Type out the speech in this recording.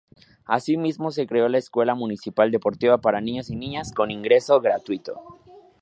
Asimismo se creó la Escuela Municipal Deportiva para Niños y Niñas, con ingreso gratuito.